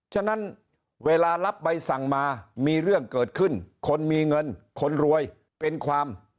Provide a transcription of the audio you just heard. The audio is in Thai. ฉะนั้นเวลารับใบสั่งมามีเรื่องเกิดขึ้นคนมีเงินคนรวยเป็นความ